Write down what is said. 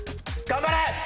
頑張れ！